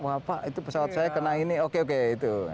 wah pak itu pesawat saya kena ini oke oke itu